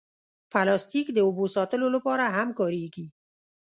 پلاستيک د اوبو ساتلو لپاره هم کارېږي.